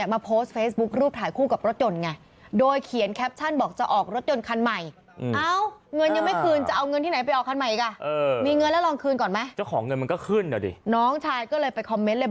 มาโพสต์เฟซบุ๊กรูปถ่ายคู่กับรถยนต์ไง